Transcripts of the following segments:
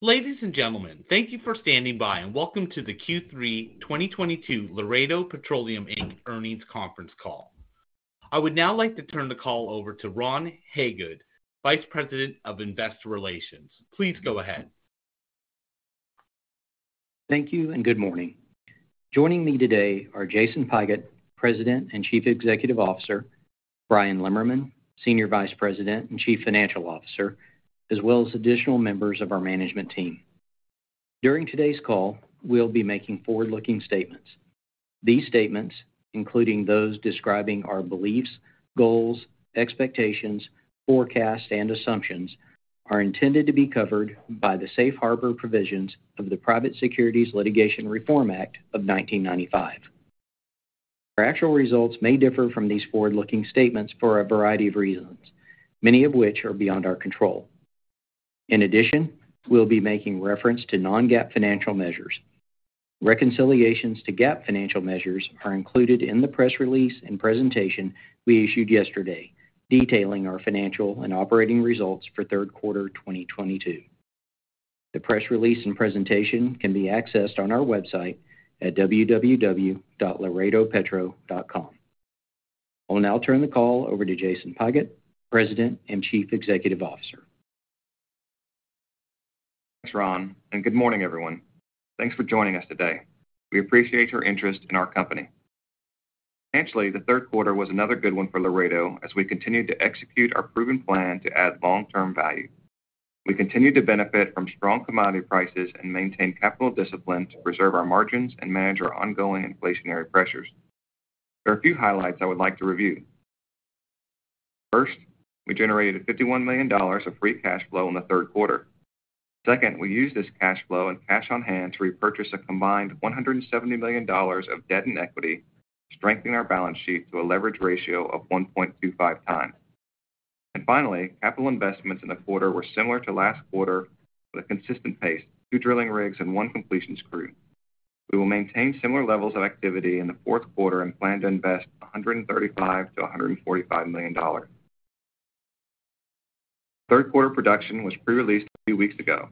Ladies and gentlemen, thank you for standing by and welcome to the Q3 2022 Laredo Petroleum, Inc. earnings conference call. I would now like to turn the call over to Ron Hagood, Vice President of Investor Relations. Please go ahead. Thank you and good morning. Joining me today are Jason Pigott, President and Chief Executive Officer, Bryan Lemmerman, Senior Vice President and Chief Financial Officer, as well as additional members of our management team. During today's call, we'll be making forward-looking statements. These statements, including those describing our beliefs, goals, expectations, forecasts, and assumptions, are intended to be covered by the safe harbor provisions of the Private Securities Litigation Reform Act of 1995. Our actual results may differ from these forward-looking statements for a variety of reasons, many of which are beyond our control. In addition, we'll be making reference to non-GAAP financial measures. Reconciliations to GAAP financial measures are included in the press release and presentation we issued yesterday, detailing our financial and operating results for third quarter 2022. The press release and presentation can be accessed on our website at www.laredopetro.com. I will now turn the call over to Jason Pigott, President and Chief Executive Officer. Thanks, Ron, and good morning, everyone. Thanks for joining us today. We appreciate your interest in our company. Financially, the third quarter was another good one for Laredo as we continued to execute our proven plan to add long-term value. We continued to benefit from strong commodity prices and maintain capital discipline to preserve our margins and manage our ongoing inflationary pressures. There are a few highlights I would like to review. First, we generated $51 million of free cash flow in the third quarter. Second, we used this cash flow and cash on hand to repurchase a combined $170 million of debt and equity, strengthening our balance sheet to a leverage ratio of 1.25 times. Finally, capital investments in the quarter were similar to last quarter with a consistent pace, two drilling rigs and one completion crew. We will maintain similar levels of activity in the fourth quarter and plan to invest $135 million-$145 million. Third quarter production was pre-released a few weeks ago.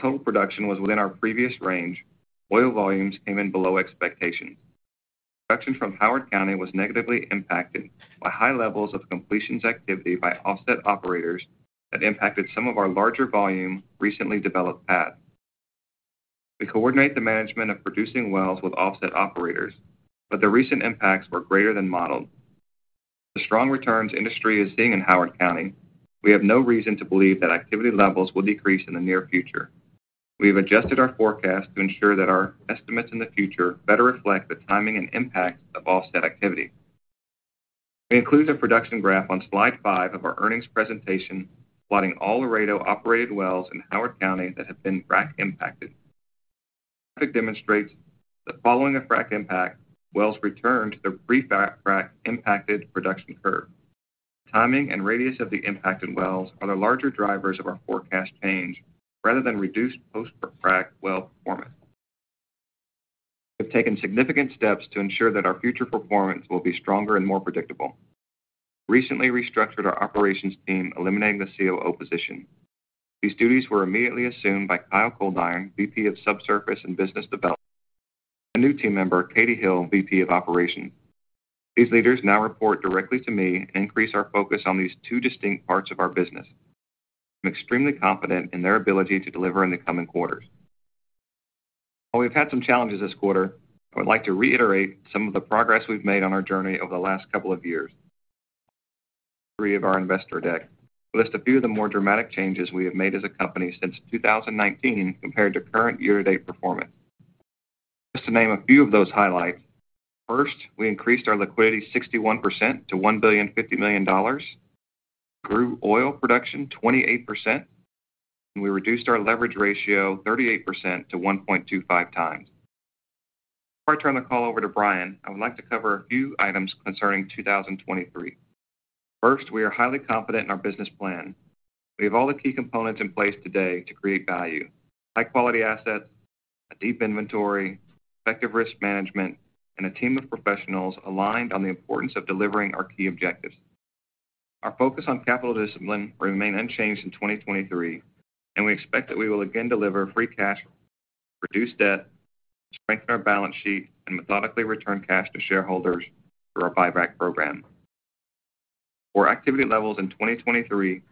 Total production was within our previous range. Oil volumes came in below expectations. Production from Howard County was negatively impacted by high levels of completions activity by offset operators that impacted some of our larger volume recently developed pads. We coordinate the management of producing wells with offset operators, but the recent impacts were greater than modeled. The strong returns the industry is seeing in Howard County, we have no reason to believe that activity levels will decrease in the near future. We have adjusted our forecast to ensure that our estimates in the future better reflect the timing and impacts of offset activity. We include the production graph on slide five of our earnings presentation, plotting all Laredo operated wells in Howard County that have been frac impacted. This graphic demonstrates that following a frac impact, wells return to their pre-frac impacted production curve. Timing and radius of the impacted wells are the larger drivers of our forecast change rather than reduced post-frac well performance. We've taken significant steps to ensure that our future performance will be stronger and more predictable. Recently restructured our operations team, eliminating the COO position. These duties were immediately assumed by Kyle Coldiron, VP of Subsurface and Business Development, and a new team member, Katie Hill, VP of Operations. These leaders now report directly to me and increase our focus on these two distinct parts of our business. I'm extremely confident in their ability to deliver in the coming quarters. While we've had some challenges this quarter, I would like to reiterate some of the progress we've made on our journey over the last couple of years. Three of our investor deck list a few of the more dramatic changes we have made as a company since 2019 compared to current year to date performance. Just to name a few of those highlights. First, we increased our liquidity 61% to $1.05 billion. Grew oil production 28%, and we reduced our leverage ratio 38% to 1.25x. Before I turn the call over to Bryan, I would like to cover a few items concerning 2023. First, we are highly confident in our business plan. We have all the key components in place today to create value, high quality assets, a deep inventory, effective risk management, and a team of professionals aligned on the importance of delivering our key objectives. Our focus on capital discipline will remain unchanged in 2023, and we expect that we will again deliver free cash, reduce debt, strengthen our balance sheet, and methodically return cash to shareholders through our buyback program. For activity levels in 2023,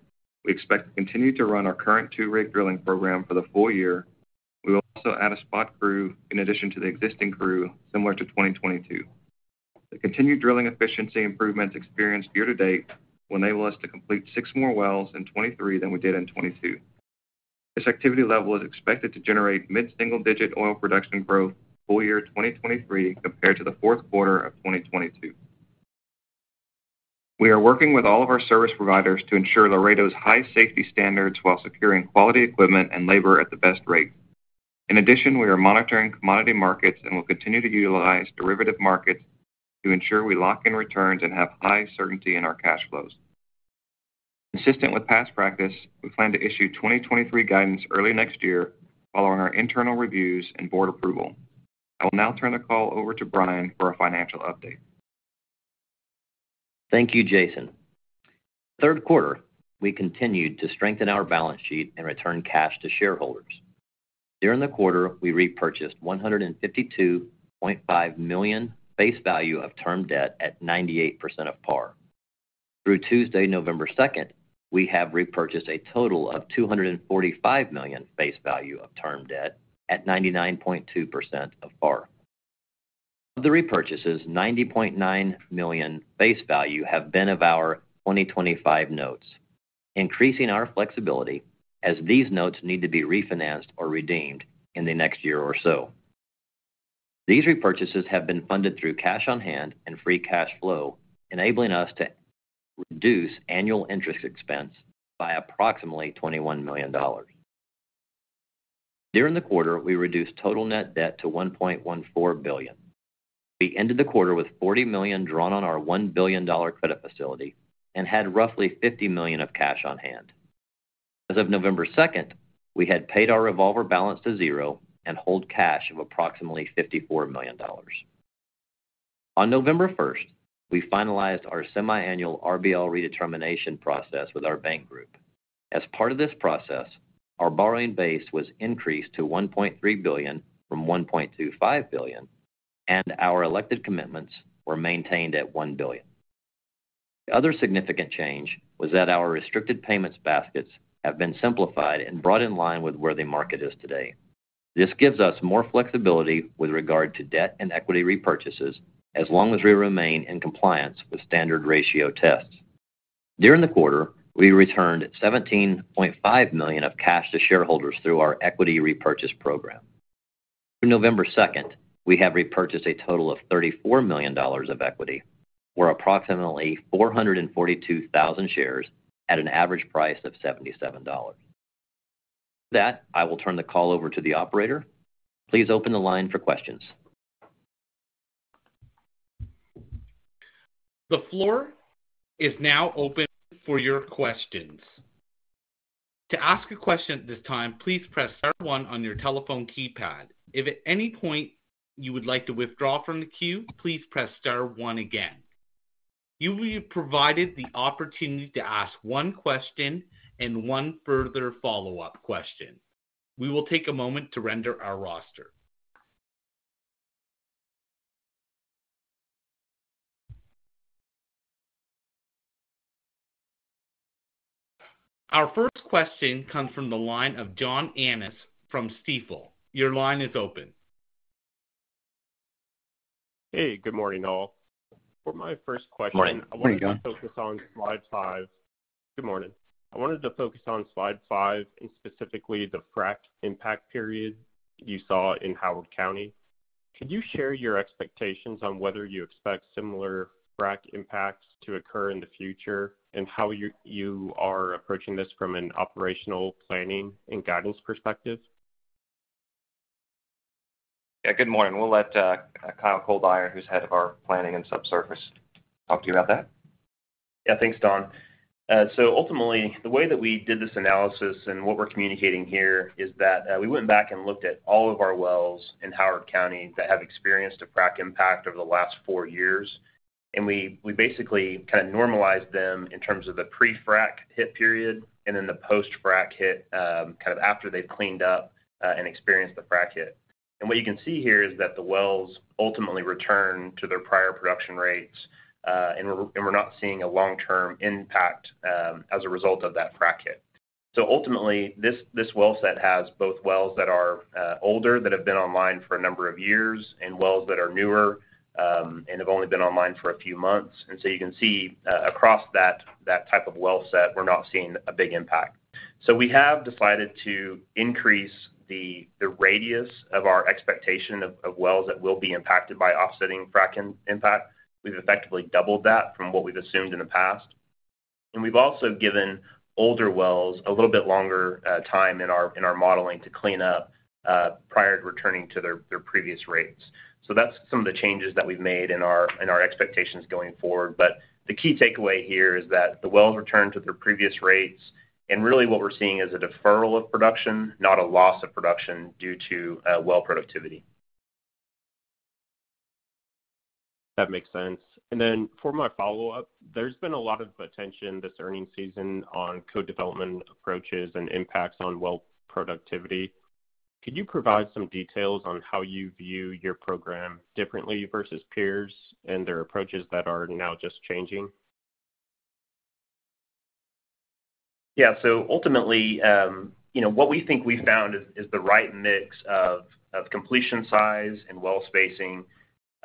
we expect to continue to run our current 2-rig drilling program for the full year. We will also add a spot crew in addition to the existing crew similar to 2022. The continued drilling efficiency improvements experienced year to date will enable us to complete six more wells in 2023 than we did in 2022. This activity level is expected to generate mid-single digit oil production growth full year 2023 compared to the fourth quarter of 2022. We are working with all of our service providers to ensure Laredo's high safety standards while securing quality equipment and labor at the best rate. In addition, we are monitoring commodity markets and will continue to utilize derivative markets to ensure we lock in returns and have high certainty in our cash flows. Consistent with past practice, we plan to issue 2023 guidance early next year following our internal reviews and board approval. I will now turn the call over to Bryan for a financial update. Thank you, Jason. Third quarter, we continued to strengthen our balance sheet and return cash to shareholders. During the quarter, we repurchased $152.5 million face value of term debt at 98% of par. Through Tuesday, November 2nd, we have repurchased a total of $245 million face value of term debt at 99.2% of par. Of the repurchases, $90.9 million face value have been of our 2025 notes, increasing our flexibility as these notes need to be refinanced or redeemed in the next year or so. These repurchases have been funded through cash on hand and free cash flow, enabling us to reduce annual interest expense by approximately $21 million. During the quarter, we reduced total net debt to $1.14 billion. We ended the quarter with $40 million drawn on our $1 billion credit facility and had roughly $50 million of cash on hand. As of November 2nd, we had paid our revolver balance to zero and hold cash of approximately $54 million. On November 1st, we finalized our semiannual RBL redetermination process with our bank group. As part of this process, our borrowing base was increased to $1.3 billion from $1.25 billion, and our elected commitments were maintained at $1 billion. The other significant change was that our restricted payments baskets have been simplified and brought in line with where the market is today. This gives us more flexibility with regard to debt and equity repurchases as long as we remain in compliance with standard ratio tests. During the quarter, we returned $17.5 million of cash to shareholders through our equity repurchase program. Through November 2nd, we have repurchased a total of $34 million of equity, or approximately 442,000 shares at an average price of $77. With that, I will turn the call over to the operator. Please open the line for questions. The floor is now open for your questions. To ask a question at this time, please press star one on your telephone keypad. If at any point you would like to withdraw from the queue, please press star one again. You will be provided the opportunity to ask one question and one further follow-up question. We will take a moment to render our roster. Our first question comes from the line of John Annis from Stifel. Your line is open. Hey, good morning, all. For my first question. Morning. Morning, John. I wanted to focus on slide five. Good morning. I wanted to focus on slide five and specifically the frac impact period you saw in Howard County. Could you share your expectations on whether you expect similar frac impacts to occur in the future and how you are approaching this from an operational planning and guidance perspective? Yeah. Good morning. We'll let Kyle Coldiron, who's head of our planning and subsurface, talk to you about that. Yeah. Thanks, John. Ultimately, the way that we did this analysis and what we're communicating here is that, we went back and looked at all of our wells in Howard County that have experienced a frac impact over the last four years. We basically kind of normalized them in terms of the pre-frac hit period and then the post-frac hit, kind of after they've cleaned up, and experienced the frac hit. What you can see here is that the wells ultimately return to their prior production rates, and we're not seeing a long-term impact, as a result of that frac hit. Ultimately, this well set has both wells that are older that have been online for a number of years and wells that are newer, and have only been online for a few months. You can see across that type of well set, we're not seeing a big impact. We have decided to increase the radius of our expectation of wells that will be impacted by offsetting frac impact. We've effectively doubled that from what we've assumed in the past. We've also given older wells a little bit longer time in our modeling to clean up prior to returning to their previous rates. That's some of the changes that we've made in our expectations going forward. The key takeaway here is that the wells return to their previous rates, and really what we're seeing is a deferral of production, not a loss of production due to well productivity. That makes sense. For my follow-up, there's been a lot of attention this earnings season on co-development approaches and impacts on well productivity. Could you provide some details on how you view your program differently versus peers and their approaches that are now just changing? Yeah. Ultimately, you know, what we think we found is the right mix of completion size and well spacing.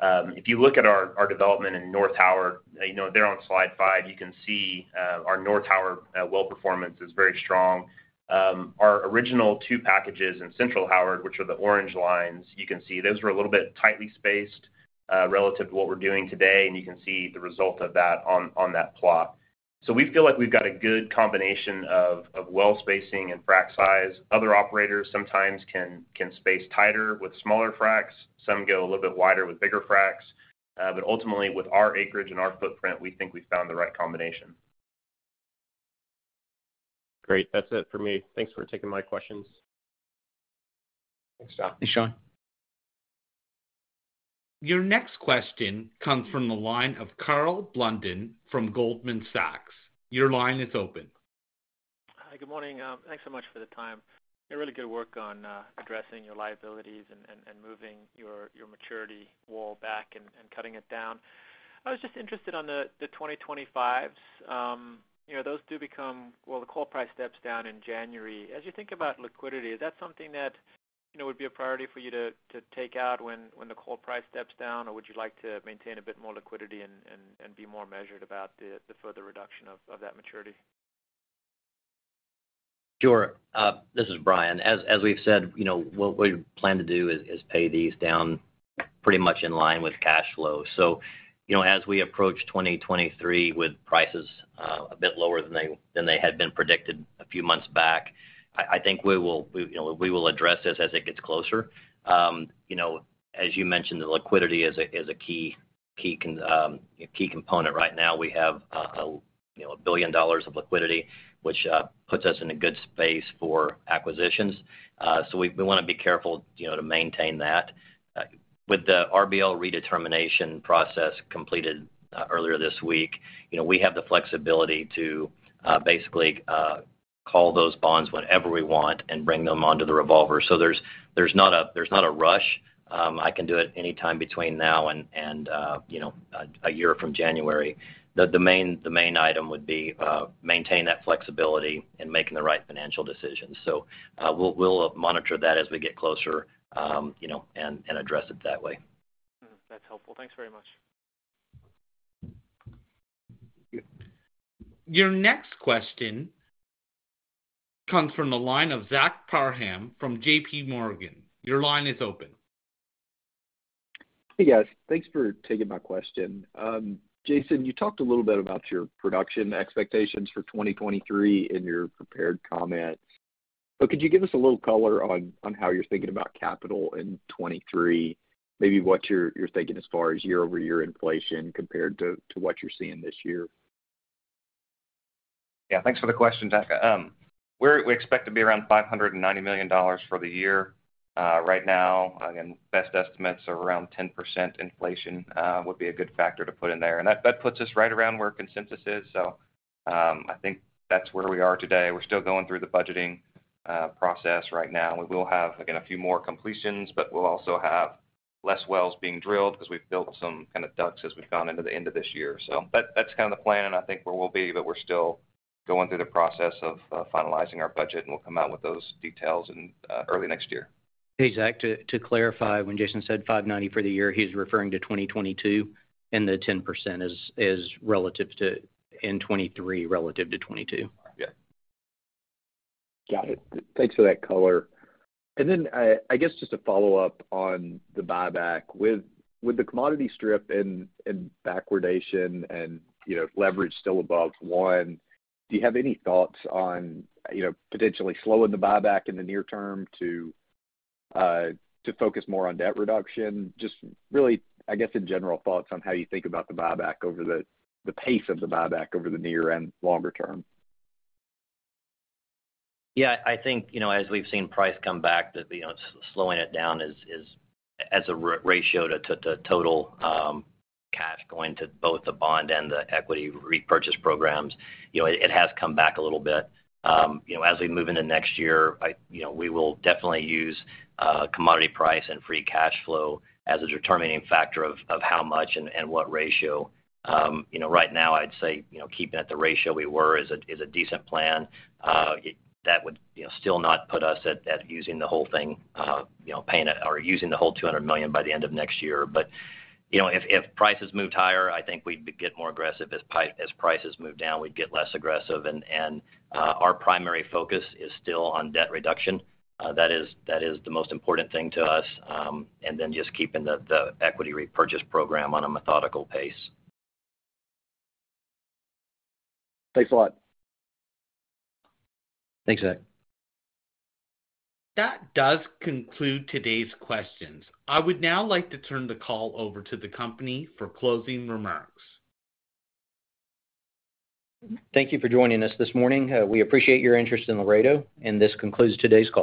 If you look at our development in North Howard, you know, there on slide five, you can see our North Howard well performance is very strong. Our original two packages in Central Howard, which are the orange lines, you can see those were a little bit tightly spaced relative to what we're doing today, and you can see the result of that on that plot. We feel like we've got a good combination of well spacing and frac size. Other operators sometimes can space tighter with smaller fracs, some go a little bit wider with bigger fracs. Ultimately, with our acreage and our footprint, we think we found the right combination. Great. That's it for me. Thanks for taking my questions. Thanks, John. Thanks, John. Your next question comes from the line of Karl Blunden from Goldman Sachs. Your line is open. Hi. Good morning. Thanks so much for the time. You've done really good work on addressing your liabilities and moving your maturity wall back and cutting it down. I was just interested in the 2025s. You know, the call price steps down in January. As you think about liquidity, is that something that, you know, would be a priority for you to take out when the call price steps down? Or would you like to maintain a bit more liquidity and be more measured about the further reduction of that maturity? Sure. This is Bryan. As we've said, you know, what we plan to do is pay these down pretty much in line with cash flow. You know, as we approach 2023 with prices a bit lower than they had been predicted a few months back, I think we will, you know, we will address this as it gets closer. You know, as you mentioned, the liquidity is a key component right now. We have, you know, $1 billion of liquidity, which puts us in a good space for acquisitions. We wanna be careful, you know, to maintain that. With the RBL redetermination process completed earlier this week, you know, we have the flexibility to basically call those bonds whenever we want and bring them onto the revolver. There's not a rush. I can do it any time between now and a year from January. The main item would be maintain that flexibility in making the right financial decisions. We'll monitor that as we get closer and address it that way. That's helpful. Thanks very much. Yeah. Your next question comes from the line of Zach Parham from JPMorgan. Your line is open. Hey, guys. Thanks for taking my question. Jason, you talked a little bit about your production expectations for 2023 in your prepared comments, but could you give us a little color on how you're thinking about capital in 2023, maybe what you're thinking as far as year-over-year inflation compared to what you're seeing this year? Yeah. Thanks for the question, Zach. We expect to be around $590 million for the year. Right now, again, best estimates are around 10% inflation, would be a good factor to put in there. That puts us right around where consensus is. I think that's where we are today. We're still going through the budgeting process right now. We will have, again, a few more completions, but we'll also have less wells being drilled because we've built some kind of pads as we've gone into the end of this year. That's kind of the plan and I think where we'll be, but we're still going through the process of finalizing our budget, and we'll come out with those details in early next year. Hey, Zach. To clarify, when Jason said 590 for the year, he's referring to 2022, and the 10% is relative to in 2023 relative to 2022. Yeah. Got it. Thanks for that color. I guess just to follow up on the buyback. With the commodity strip and backwardation and, you know, leverage still above one, do you have any thoughts on, you know, potentially slowing the buyback in the near term to focus more on debt reduction? Just really, I guess, in general, thoughts on how you think about the buyback over the pace of the buyback over the near and longer term. Yeah. I think, you know, as we've seen price come back to, you know, slowing it down is as a ratio to total cash going to both the bond and the equity repurchase programs, you know, it has come back a little bit. You know, as we move into next year, you know, we will definitely use commodity price and free cash flow as a determining factor of how much and what ratio. You know, right now I'd say, you know, keeping at the ratio we were is a decent plan. That would, you know, still not put us at using the whole thing, you know, paying or using the whole $200 million by the end of next year. You know, if prices moved higher, I think we'd get more aggressive. As prices move down, we'd get less aggressive. Our primary focus is still on debt reduction. That is the most important thing to us, and then just keeping the equity repurchase program on a methodical pace. Thanks a lot. Thanks, Zach. That does conclude today's questions. I would now like to turn the call over to the company for closing remarks. Thank you for joining us this morning. We appreciate your interest in Laredo, and this concludes today's call.